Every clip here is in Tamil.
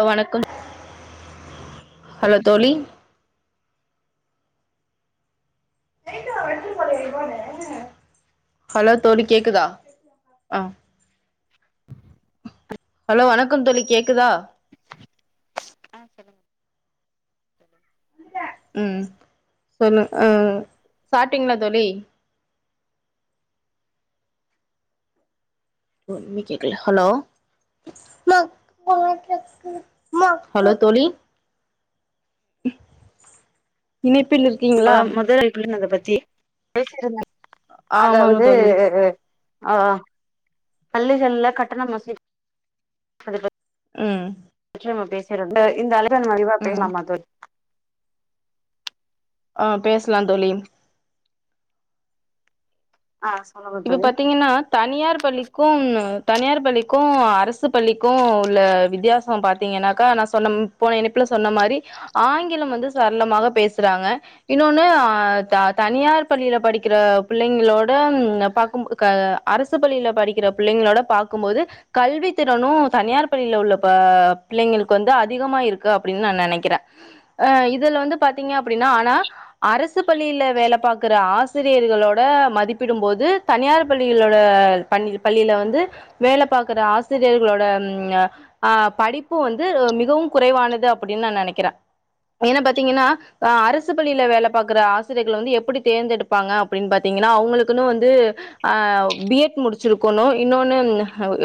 ஓ வணக்கம் ஹலோ தோழி ஹலோ தோழி கேக்குதா ஆ ஹலோ வணக்கம் தோழி கேக்குதா ஆ சொல்லுங் ம் சொல்லுங் அ சாப்ட்டீங்களா தோழி ஒன்னுமே கேக்கல ஹலோ ஹலோ தோழி இனிப் நா முதல் [unintelligible] பத்தி பேச இருந்த ஆமாங்க அதாவது தோழி ஆ பள்ளிகள்ல கட்டணம் வசுலிக் [inaudible] அது பத் ம் நம்ம பேசிருந்த இந்த அழை ம் [unintelligible] ஆ பேஸ்லா தோழி ஆ சொல்லுங்க இப்ப தோழி பாத்தீங்கன்னா தனியார் பள்ளி க்கும் தனியார் பள்ளிக்கு அரசு பள்ளிக்கு உள்ள வித்தியாசொ பாத்தீங்கன்னாக்கா நா சொன்ன ம் போன இணைப்புல சொன்ன மாரி ஆங்கிலம் வந்து சரளமாக பேசுறாங்க இன்னொன்னு ஆ த தனியார் பள்ளியில படிக்கிற புள்ளைங்களோட பாக்கும் போ க அரசு பள்ளியில படிக்கிற புள்ளைங்களோட பாக்கும்போது கல்வி திறனு தனியார் பள்ளியில உள்ள பா பிள்ளைங்களுக்கு வந்து அதிகமா இருக்கு அப்டின்னு நா நெனக்கிற ஆ இதுல வந்து பாத்தீங்க அப் டின்னா ஆனா அரஸ் சு பள்ளியில வேல பாக்குற ஆசிரியர்களோட மதிப்பிடும் போது தனியார் பள்ளியில உள்ள பணி பள்ளியில வந்து வேல பாக்குற ஆசிரியர்களோட ம் ங ஆ படிப்பு வந்து மிகவும் குறைவானது அப்டின் நா நெனக்கிற ஏன்னு பாத்தீங்கன்னா ஆ அரசு பள்ளியில வேல பாக்குற ஆசிரியர்கள வந்து எப்டி தேர்ந்தெடுப்பாங்க அப்டின் பாத்தீங்கன்னா அவ்ங்களுக்குன்னு வந்து ஆ பி எட் முடிச்சிருக்கொணு இன்னொன்னு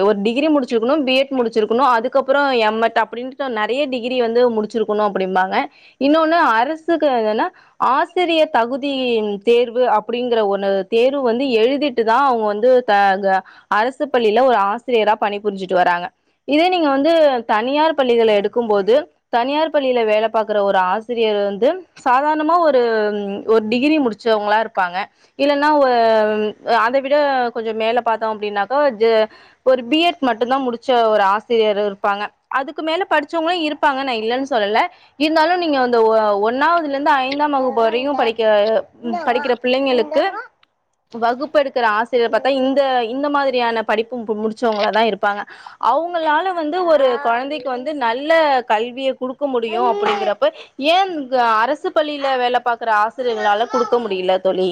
ஒரு டிகிரி முடிச்சிருக்கணு பி எட் முடிச்சிருக்கணு அதுக்கப்பறொ எம் எட் அப்டின் நறைய டிகிரி வந்து முடிச்சிருக்கொணு அப்டிம்பாங்க இன்னொன்னு அரசுக்கு என்ன ஆசிரிய தகுதி தேர்வு அப்டிங்கிற ஒன்னு தேர்வு வந்து எழுதி திட்டுதா அவ்ங்க வந்து த க அரசு பள்ளியில ஒரு ஆசிரியரா பணிபுரிஞ்சுட்டு வராங்க இதே நீங்க வந்து தனியார் பள்ளிகள எடுக்கும்போது தனியார் பள்ளியில வேல பாக்குற ஒரு ஆசிரியர் வந்து சாதாரணமா ஒரு ஒரு டிகிரி முடிச்சவங்களா இருப்பாங்க இல்லன்னா வ அத விட கொஞ்சொ மேல பாத்தோ அப்டின்னாக்கா ஜ ஒரு பி எட் மட்டுந்தா முடிச்ச ஒரு ஆசிரியர் இருப்பாங்க அதுக்கு மேல படிச்சவங்களு இருப்பாங்க நா இல்லன் சொல்லல இருந்தாலு நீங்க அந்த ஒ ஒன்னாவ்துலர்ந்து ஐந்தாம் வகுப்பு வரையு படிக்க படிக்கிற பிள்ளைங்களுக்கு வகுப் பெடுக்குற ஆசிரியர் பாத்தா இந்த இந்த மாதிரியான படிப்பு முடிச்சவங்களதா இருப்பாங்க அவ்ங்களால வந்து ஒரு கொழந்தைக்கு வந்து நல்ல கல்விய குடுக்க முடியு அப்டிங்கிறப்ப ஏன் கு அரசு பள்ளியில வேல பாக்குற ஆசிரியர்களால குடுக்க முடிய்ல தோழி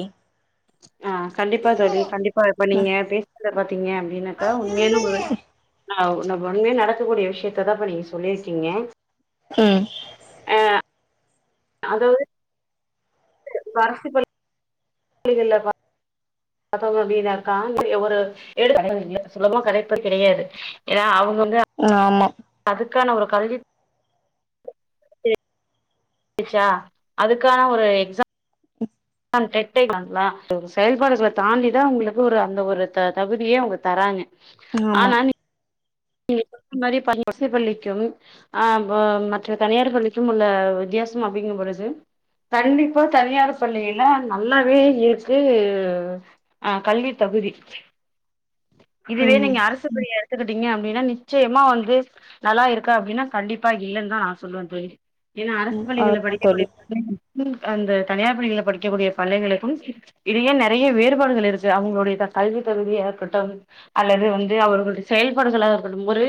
ஆ கண்டிப்பா தோழி கண்டிப்பா இப்ப நீங்க பேசுற த்தீங்க அப்டின்னாக்கா உண்மையான ஒரு அவ் ந உண்மையா நடக்கக்கூடிய விஷயத்த தா இப்ப நீங்க சொல்லியிருக்கீங்க ம் அது ஒரு பாசிபல் லீவு இல்லப்பா அப்போ [unintelligible] எடுத்து [inaudible] சுலமா கலைப்பு கிடையாது ஏன்னா அவுங்க வந்து ஆமாம் அதுக்கா நாங்க கல்வி ஸ்சா அதுக்கான ஒரு எக் ம் [unintelligible] செயல்பாட தாண்டிதா உங்களுக்கு ஒரு அந்த ஒரு த-தகுதியே அவுங்க தராங்க. எங்கம்மா [inaudible] இதுமாதிரி ப்ப அரசிப் பள்ளிக்கும் ஆம் போ மற்ற தனியார் பள்ளிக்கும் உள்ள வித்தியாசோம் அப்டிங்கும் [unintelligible] கண்டிப்பா தனியார் பள்ளியில நல்லாவே இருக்கு அ கல்வி தகுதி இதுவே ம் நீங்க அரசுபிரியர் சேத்துட்டிங்க ஏன்னா நிச்சயமா வந்து நல்லா இருக்க அப்டின்னா கண்டிப்பா இல்லன்னு தா நா சொல்லுவே [unintelligible] ஏன்னா அரசு பள்ளியில ஆமா படிக்கக்கூடிய தோழி [inaudible] அந்த தனியார் பள்ளியில படிக்கக்கூடிய பள்ளைகளுக்கும் இடேய நறைய வேறுபாடுகள் இருக்கு அவுங்களுடைய கல்வி தகுதி அது கட்டாலும் அல்லது வந்து அவர்களுட செயல்பாடுகளாக ஒரு மொரு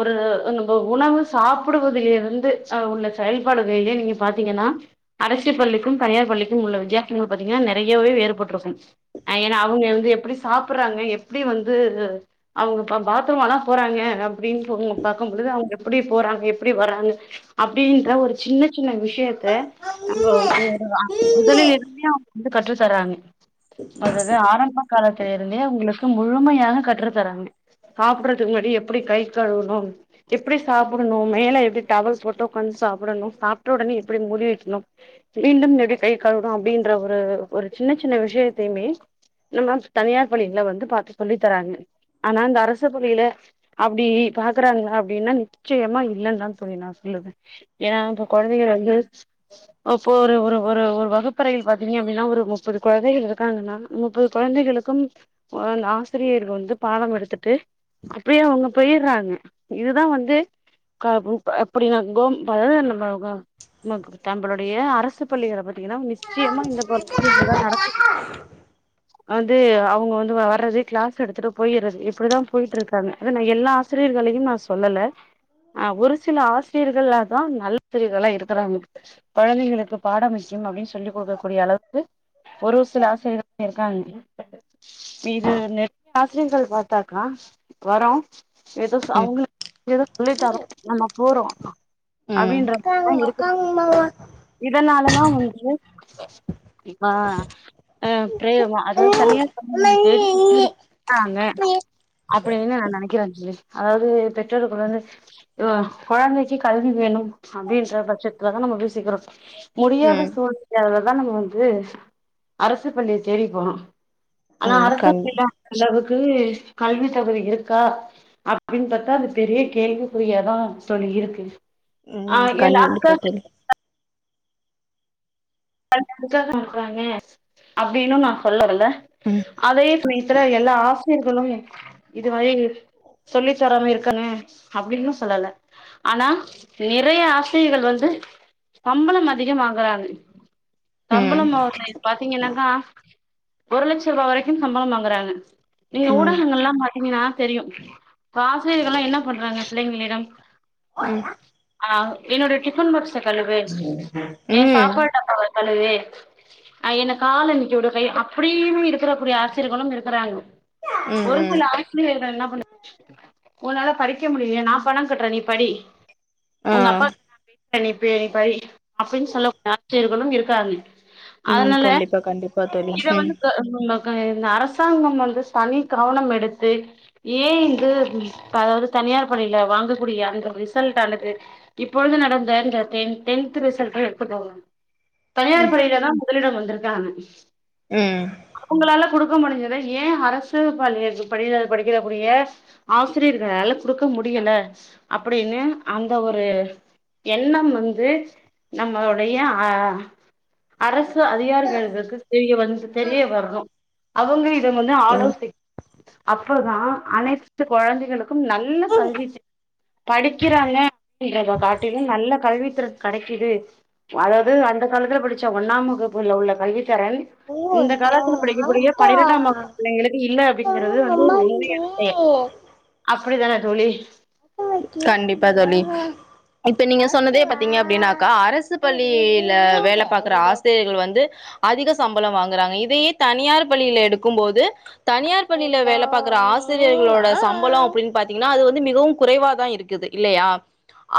ஒரு [unintelligible] உணவு சாப்புடுவதிலேருந்து அ உள்ள செயல்பாடுகளில நீங்க பாத்தீங்ன்னா அரசி பள்ளிக்கும் தனியார் பள்ளிக்கும் உள்ள வித்தியாசங்கள் பாத்தீங்ன்னா நறையவே வேறுபட்ருக்கும் ஏனா அவுங்க வந்து எப்பிடி சாப்புர்றாங்க எப்புடி வந்து அவுங்க ப்ப-பாத்ரூம் ஆனா போறங்க அப்டின் பொ பாரனக்கும்பொழுது அவுங்க எப்புடி போறாங்க எப்புடி வராங்க அப்டின்ற ஒரு சின்ன சின்ன விஷயத்த அங்க ம் முதலிலேருந்தே அவுங்க வந்து கற்றுத்தராங்க அதாவது ஆரம்ப காலத்திலேருந்தே அவுங்களுக்கு முழுமையாக கற்றுத்தராங்க சாப்புட திருமடி எப்பிடி கை கழுவுணு எப்பிடி சாப்புடணு மேல எப்புடி டவல் போட்டு உட்காந்து சாப்புடணு சாப்ட்ட உடனே எப்புடி மூடி வெக்கணு மீண்டும் எப்டி கை கழுவுணு அப்டின்ற ஒரு ஒரு சின்ன சின்ன விஷ்யத்தையுமே நம்ம தனியார் பள்ளியில வந்து பார்த்து சொல்லி தராங்க ஆனா இந்த அரசு பள்ளியில அப்டி பாக்கறாங்களா அப்டின்னா நிச்சயமா இல்லேன் தா தோழி நா சொல்லுவே ஏனா இப்ப கொழந்தைகள வந்து அப்போ ஒரு ஒரு ஒரு வகுப்பறையில் பாத்தீங்க அப்டின்னா ஒரு முப்பது கொழந்தைகள் இருக்காங்கன்னா முப்பது கொழந்தைகளுக்கும் அந் ஆசிரியர்கள் வந்து பாவம் எடுத்துட்டு அப்டியே அவுங்க போய்ர்றாங்க இதுதா வந்து கா ப்பு அப்புடி வந்து [unintelligible] தங்களுடைய அரசு பள்ளிகளை இல்லனா நிச்சயமா இந்த [inaudible] நடக்குது வந்து அவுங்க வந்து வர்றது கிளாஸ் எடுத்துட்டு போயிர்றது இப்புடிதா போயிட்டு இருக்காங்க நா எல்லா ஆசிரியர்களையும் நா சொல்லல ஆங் ஒரு சில ஆசிரியர்கள் தா நல்ல ஆசிரியர்களா இருக்குறாங்க கொழந்தைங்களுக்கு பாடோ முக்கியம் அப்டின்னு சொல்லி் கொடுக்கக்கூடிய அளவு கு ஒரு சில ஆசிரியர்கள் இருக்காங்க இது நறைய ஆசிரியர்கள் பாத்தாங்க அக்கா வரோ ஏதோ அவுங்களுக்கு ஏதோ சொல்லி தரோ நம்ம போறோ அப்டின்ற [inaudible] ரிதா இருக்குறங்க ம் இதனால் இப்ப தா இவனுக்கு இப்பா பே பேயிருவா ம் அதாவது தனியார் பள்ளிகளுக்கே [unintelligible] போவாங்க அப்டின்னு நா நெனைக்கிறே தோழி அதாவது பெற்றோர்கள் வந்து அ கொழந்தைக்கு கல்வி வேணும் அப்டின் சொல்ற பட்சத்துலதா நம்ம யோசிக்கிறோ முடியாத சூழ் [inaudible] யால தா அதா நம்ம வந்து அரசு பள்ளிய தேடி போறோ ஆனா ம் அரசு கண் பள்ளில அந்த அளவுக்கு கல்வி தகுதி இருக்கா அப்டின்றப்ப அது பெரிய கேள்விக்குறியாதா தோழி இருக்கு ஆ ம் எல் கண்டிப்பா அதுக்காக தோழி கண்டிப்பா சொல்றாங்க அப்டின்னு நா சொல்ல வல்ல ம் அதே புண்ணியத்துல எல்லா ஆசிரியர்கள் சொல்லுங்க இது மாதிரி சொல்லி தராம இருக்காங்க அப்டின்னும் சொல்லல்ல ஆனா நிறைய ஆசிரியர் ஆசிரியர்கள் வந்து சம்பளம் அதிகம் வாங்கறாங்க ம் சம்பளம் அவர்களை பாத்தீங்கனாக்க ஒரு லட்சம் ரூவா வரைக்கும் சம்பளம் வாங்குறாங்க நீங்க ம் ஊடகங்கள் எல்லாம் பாத்தீங்கன்னா தெரியும் இப்ப ஆசிரியர்கள் எல்லாம் என்ன பண்றாங்க பிள்ளைங்களிடம் ஆவ் என்னோட டிபன் பாக்ஸ் ம் தட்ட கழுவு என்ன கால அமிக்கி விடு கை அப்படினு இருக்க கூடிய ஆசிரியர்களும் இருக்கிறாங்க ம் ஒரு ம் சில ஆசிரியர்கள் என்ன பண்ண உன்னால படிக்க முடியல நா பணம் கட்டுறே நீ படி ஆ உங்க அப்பா நான் பேசுறேன் நீ போயி படி அப்படின்னு சொல்ல கூடிய ஆசிரியர் ஆசிரியர்களும் இருக்காங்க ம் அதனால கண்டிப்பா கண்டிப்பா தோழி இத ம் வந்து அ அ அ இந்த அரசாங்கம் இனி வந்து தனி கவனம் எடுத்து ஏன் இது அதாவது தனியார் பள்ளில வாங்கக்கூடிய அந்த ரிசல்ட் ஆனது இப்பொழுது நடந்த இந்த டென்த் ரிசல்ட் எடுத்துக்கோங்க தனியார் பள்ளிலதான் முதலிடம் வந்திருக்காங்க ம் அவுங்களால கொடுக்க கொடுக்க முடிஞ்சத ஏன் அரசு பள்ளி பள்ளியில படிக்கறக்கூடிய ஆசிரியர்களால் கொடுக்க முடியல அப்படின்னு அந்த ஒரு எண்ணம் வந்து நம்மளுடைய ஆ அரசு அதிகாரிகளுக்கு தெரிய வந்து தெரிய வரணும் அவங்க இது வந்து ஆலோஸ்டிக் அப்பதா அனைத்து குழந்தைகளுக்கு நல்ல கல்வி படிக்குறாங்க அப்படின்றத காட்டிலு நல்ல கல்வித்திறன் கிடைக்குது அதாவது அந்த காலத்துல படிச்ச ஒன்னாம் வகுப்புல உள்ள கல்வித்தரன் இந்த காலத்துல படிக்கக்கூடிய பன்னிரெண்டாம் வகுப் எல்லா பிள்ளைகளுக்கு இல்ல அப்படிங்கிறது வந்து ஒரு ம் உண்மையான பெயர் ம் அப்டி தானே தோழி கண்டிப்பா தோழி இப்ப நீங்க சொன்னதே பாத்தீங்க அப்படின்னாக்கா அரசு பள்ளியில வேல பாக்குற ஆசிரியர்கள் வந்து அதிக சம்பள வாங்குறாங்க இதையே தனியார் பள்ளியில எடுக்கு போது தனியார் பள்ளியில வேல பார்க்குற ஆசிரியர்களோட சம்பள அப்டின்னு பாத்தீங்கன்னா அது வந்து மிகவு குறைவாதா இருக்குது இல்லையா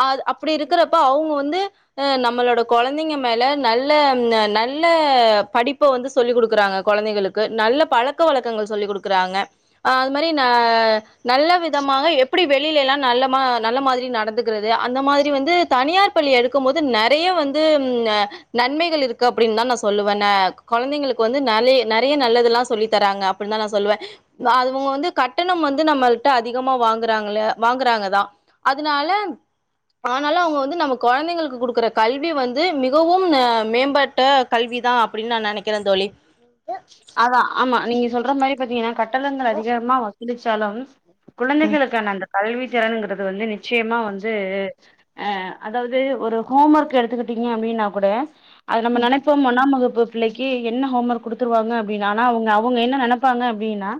அது அப் அப்டி இருக்றப்ப அவுங்க வந்து அஹ் நம்மளோட கொழந்திங்க மேல நல்ல நல்ல படிப்பு வந்து சொல்லி் குடுக்குறாங்க கொழந்தைகளுக்கு நல்ல பழக்க வழக்கங்கள் சொல்லி் குடுக்குறாங்க ஆஹ் அது மாதிரி ஹ நல்ல விதமாக எப்படி வே பள்ளில எல்லா நல்ல ம நல்ல மாதிரி நடந்துக்றது அந்த மாதிரி வந்து தனியார் பள்ளி எடுக்கு போது நிறைய வந்து நன்மைகள் இருக்கு அப்டின்னு தான் நா சொல்லுவே கொழந்தைங்களுக்கு வந்து நைய நெறைய நல்லதுலா சொல்லி தராங்க அப்டின்னு தா நா சொல்லுவே அவுங்க வந்து கட்டணம் வந்து நம்மள்ட அதிகமா வாங்குறாங்கள வாங்றாங்க தா அதுனால ஆனாலு அவுங்க வந்து நம்ம கொழந்தைங்களு குடுக்ற கல்வி வந்து மிகவும் மேம்பட்ட கல்வி தா அப்டின்னு நான் நெனைக்ற தோழி அதா ஆமா நீங்க சொல்ற மாதிரி பாதிங்கன கட் டணங்கள் அதிகமா இந்த சாலம் குழந்தைகளுக்கான அந்த கல்வி திறனுக்றது வந்து நிச்சயமா வந்து ஆஹ் அதாவுது ஒரு ஹோம் ஒர்க் எடுத்துக்கிட்டீங்க அப்டின்னா கூட அத நம்ம நெனைப்போ ஒன்னாம் வகுப் பிள்ளைக்கு என்ன ஹோம் ஒர்க் குடு த்துருவாங்க அப்டின்னா ஆனா அவுங்க அவுங்க என்ன நினைப்பாங்க அப்டின்னா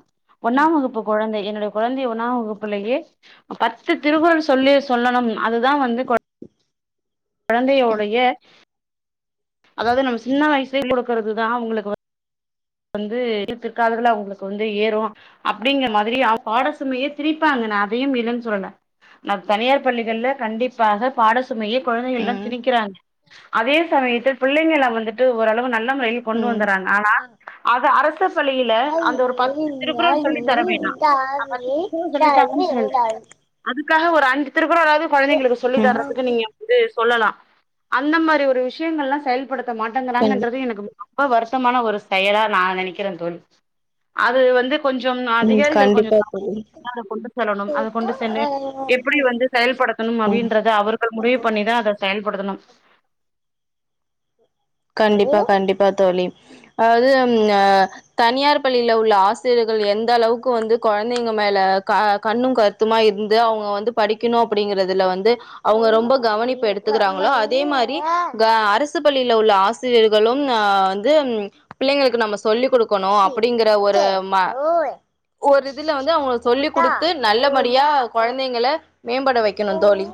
ஒன்னாம் வகுப்பு குழந்தை என்னுடைய கொழந்திய ஒன்னாம் வகுப்புலேயே பத்து திருக்குறள் சொல்லி சொல்லணும் அதுதா வந்து கொழ கொழந்தையோடைய அதாவ்து நம் சின்ன வயசில சொல்லி கொடுக்றதுதா அவங்ளுக் வந்து பிற் பிற்காலங்கள்ள அவுங்ளுக் வந்து ஏறு அப்டிங்கிற மாதிரி பாடசுமையே திண்ணிப்பாங்க நா அதையும் இல்லன் சொல்லல ந தனியார் பள்ளிகள்ல கண்டிப்பாக பாடசு சுமைய கொழந்தைங்கள்ல ம் திணிக்கிறாங்க அதே சமயத் பிள்ளைங்கள வந்துட்டு ஓரளவு நல்ல லல முறையில் கொண்டு ம் வந்துறாங்க ஆனா அது அரசு ரசு பள்ளியில ம் அந்த ஒரு பத்து திருக்குறள் சொல்லி தர வேணா பத்து கண்டி திருக்குறள் சொல்லி தாங்கனு சொல்லல அதுக்கு அதுக்காக ஒரு அஞ்சு திரு குறளாது கொழந்தைங்ளுக்கு சொல்லி தர்றதுக்கு நீங்க வந்து சொல்லலா அந்த மாரி ஒரு விஷயங்கல்லா படுத்த மாட்டேங்கிறாங்கன்றது எனக்கு ம்ப வருத்தமான ஒரு செயலா நா நெனைக்கிறே தோழி அது வந்து கொஞ்சம் ம் அதிகாரிகள் கொஞ்சம் கண்டிப்பா தோழி [unintelligible] கொண்டு செல்லணும் கொண்டு சென்னு எப்படி வந்து செயல்படுத்தணும் அப்படின்றது அவர்கள் முடிவு ம் பண்ணிதான் அதை செயல் படுத்தனும் கண்டிப்பா கண்டிப்பா தோழி அதாது அம் அ தனியார் பள்ளியில உள்ள ஆசிரியர்கள் எந்த அளவுக்கு வந்து கொழந்தைங்க மேல க கண்ணும் கருத்துமா இருந்து அவுங்க வந்து படிக்கணு அப்படிங்கறிறதுல வந்து அவுங்க ரொம்ப கவனிப்பு எடுத்துக்கறாங்களோ அதே மாரி க அரசு பள்ளி உள்ள ஆசிரியர்களும் அ வந்து ம் பிள்ளைங்களுக்கு நம்ம சொல்லி கொடுக்கணு அப்படிங்கற ஒரு ஒரு இதுல வந்து அவுங்க சொல்லி குடுத்து நல்லபடியா கொழந்திங்கள மேம்பட வைக்கணு தோழி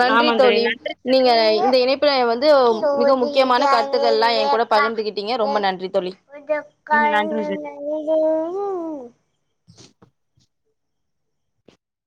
நன்றி ஆமாந் தோழி நன்றி. நீங்க இந்த இணைப்பில வந்து [unintelligible] மிக முக்கியமான கருத்துக்கள் லா என் கூட பகிர்ந்துகிட்டீங்க ரொம்ப நன்றி தோழி ம் நன்றி [unintelligible]